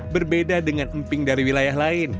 berbeda dengan emping dari wilayah lain